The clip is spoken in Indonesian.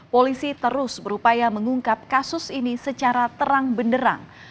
polisi terus berupaya mengungkap kasus ini secara terang benderang